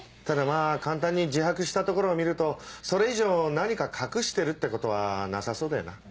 ただまぁ簡単に自白したところを見るとそれ以上何か隠してるってことはなさそうだよな。